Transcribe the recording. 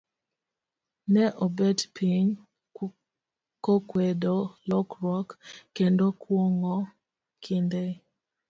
Ne obet piny, kokwedo lokruok, kendo kuong'o kinde.